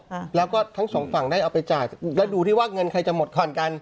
ค่ะแล้วก็ทั้งสองฝั่งได้เอาไปจ่ายแล้วดูที่ว่าเงินใครจะหมดผ่อนกัน